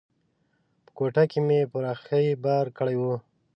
په کوټه کې مې پر اخښي بار کړی و.